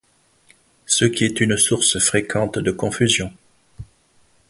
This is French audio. Ce qui est une source fréquente de confusions.